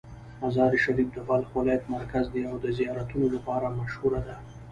مزار شریف د بلخ ولایت مرکز دی او د زیارتونو لپاره مشهوره ده.